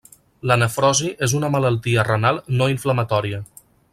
La nefrosi és una malaltia renal no inflamatòria.